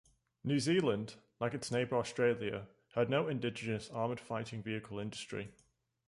New Zealand, like its neighbour Australia, had no indigenous armoured fighting vehicle industry.